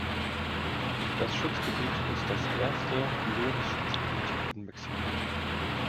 Das Schutzgebiet ist das erste Meeresschutzgebiet in Mexiko.